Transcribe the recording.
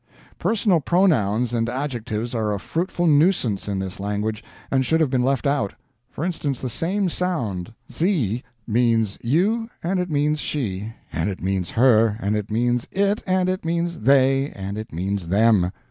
Personal pronouns and adjectives are a fruitful nuisance in this language, and should have been left out. For instance, the same sound, SIE, means YOU, and it means SHE, and it means HER, and it means IT, and it means THEY, and it means THEM.